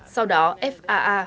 sau đó faa